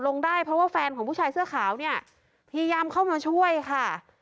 ลงได้เพราะว่าแฟนของผู้ชายเสื้อขาวเนี่ยพยายามเข้ามาช่วยค่ะ